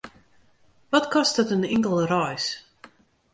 Wat kostet in inkelde reis?